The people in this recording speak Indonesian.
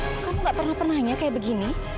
kamu kamu gak pernah pernahnya kayak begini